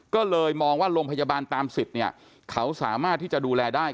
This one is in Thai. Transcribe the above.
ก็เลยมองว่าโรงพยาบาลตามสิทธิ์เนี่ยเขาสามารถที่จะดูแลได้